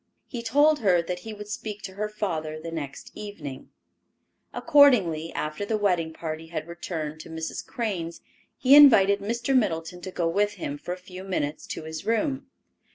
He told her that he would speak to her father the next evening. Accordingly, after the wedding party had returned to Mrs. Crane's, he invited Mr. Middleton to go with him for a few minutes to his room.